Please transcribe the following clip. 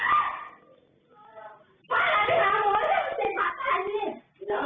ลูกโอมครีดมาเลย